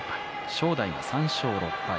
正代、３勝６敗。